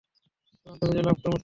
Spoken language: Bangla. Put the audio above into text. চূড়ান্ত বিজয় লাভ করে মুসলমানরা।